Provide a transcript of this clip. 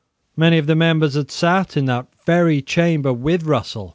Many of the members had sate in that very chamber with Russell.